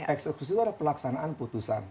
eksekusi itu adalah pelaksanaan putusan